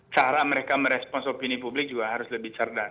cara mereka merespons opini publik juga harus lebih cerdas